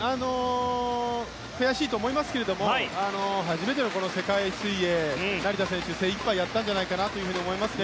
悔しいと思いますけど初めての世界水泳成田選手、精いっぱいやったんじゃないかと思いますね。